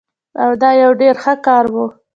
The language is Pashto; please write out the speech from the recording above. او دا يو ډير ښه کار وو